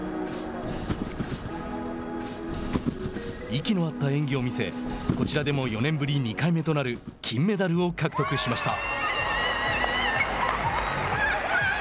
息の合った演技を見せこちらでも４年ぶり２回目となる金メダルを獲得しました。